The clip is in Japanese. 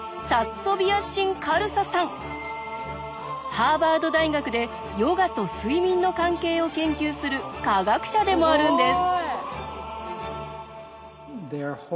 ハーバード大学でヨガと睡眠の関係を研究する科学者でもあるんです。